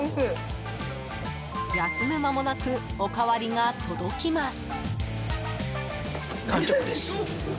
休む間もなくおかわりが届きます。